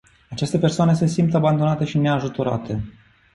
Aceste persoane se simt abandonate și neajutorate.